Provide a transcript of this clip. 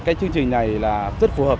cái chương trình này là rất phù hợp